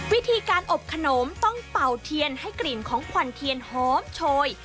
วิธีการอบขนมต้องเป่าเทียนให้กลิ่นของขวัญเทียนหอมโชย